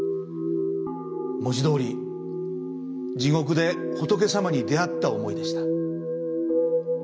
文字通り地獄で仏様に出会った思いでした。